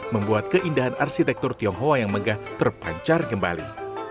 membuat keindahan arsitektur tionghoa yang megah terpancar kembali